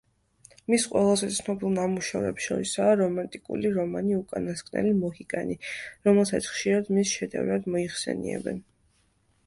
მის ყველაზე ცნობილ ნამუშევრებს შორისაა რომანტიკული რომანი „უკანასკნელი მოჰიკანი“, რომელსაც ხშირად მის შედევრად მოიხსენიებენ.